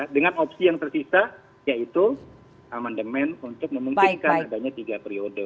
dengan opsi yang tersisa yaitu amandemen untuk memungkinkan adanya tiga periode